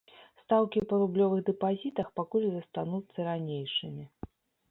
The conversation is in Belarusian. Стаўкі па рублёвых дэпазітах пакуль застануцца ранейшымі.